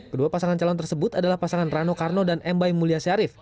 kedua pasangan calon tersebut adalah pasangan rano karno dan m bai mulya syarif